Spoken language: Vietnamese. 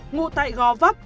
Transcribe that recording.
ngụ tại gò vấp